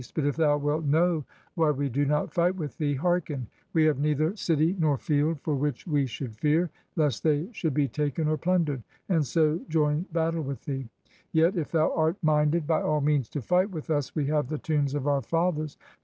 But if thou wilt know why we do not fight with thee, hearken : w^e have neither city nor field for which we should fear, lest they should be taken or plundered, and so join battle with thee. Yet, if thou art minded by all means to fight with us, we have the tombs of our fathers.